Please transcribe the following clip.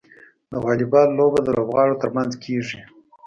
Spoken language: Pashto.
د واليبال لوبه د لوبغاړو ترمنځ کیږي.